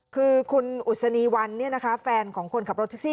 คือคุณอุศนีวันเนี่ยนะคะแฟนของคนขับรถทักซี่